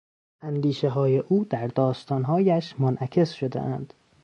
اندیشههای او در داستانهایش منعکس شدهاند.